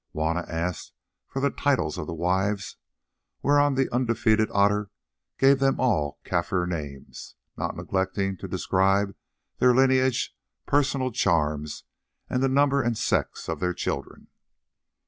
Juanna asked for the titles of the wives, whereon the undefeated Otter gave them all Kaffir names, not neglecting to describe their lineage, personal charms, and the number and sex of their children.